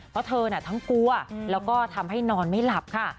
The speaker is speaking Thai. เพราะเธอทั้งกลัวแล้วก็ทำให้นอนไม่หลับค่ะ